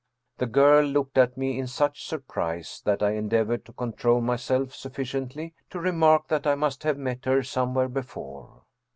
The girl looked at me in such surprise that I endeavored to control myself sufficiently to remark that I must have met her somewhere before.